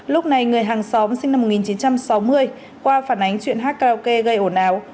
lúc này người hàng xóm sinh năm một nghìn chín trăm sáu mươi qua phản ánh chuyện hát karaoke gây ổn áo